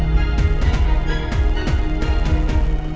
bedanya juga banget